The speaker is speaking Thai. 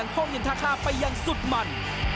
พร้อมเย็นทะค่าไปยังสุดมัน